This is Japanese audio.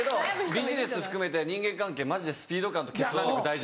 ビジネス含めて人間関係マジでスピード感と決断力大事なんで。